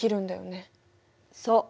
そう。